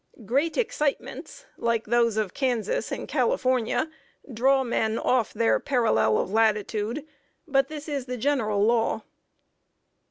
Great excitements, like those of Kansas and California, draw men off their parallel of latitude; but this is the general law.